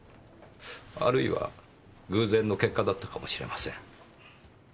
あるいは偶然の結果だったかもしれません。